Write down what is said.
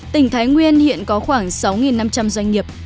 tỉnh thái nguyên hiện có khoảng sáu năm trăm linh doanh nghiệp